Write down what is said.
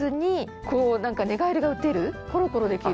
コロコロできる。